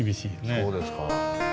そうですか。